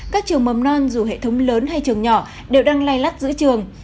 các trường mầm non dù hệ thống lớn hay trường nhỏ đều đang lay lắt giữa trường